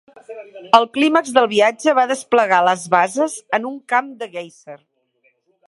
El clímax del viatge va desplegar les basses en un camp de guèiser.